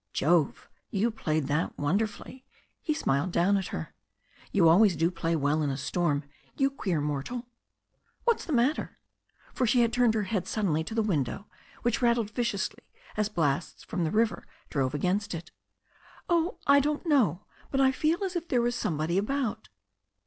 "Jove! You played that wonderfully." He smiled down at her. "You always do play well in a storm, you queer mortal. What's the matter ?" For she had turned her head suddenly to the window, which rattled viciously as blasts from the river drove against it. "Oh, I don't know. But I feel as if there was somebody about."